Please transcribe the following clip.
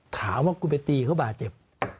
ถามว่าคุณไปตีเขาบาดเจ็บ